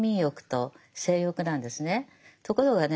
ところがね